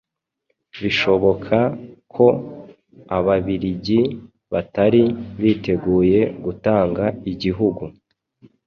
Bishoboka ko ababiligi batari biteguye gutanga igihugu